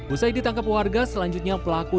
usai ditangkap warga selanjutnya pelaku